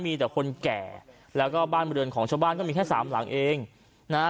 มีแต่คนแก่แล้วก็บ้านบริเวณของชาวบ้านก็มีแค่สามหลังเองนะฮะ